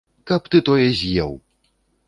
Каб ты тое з'еў!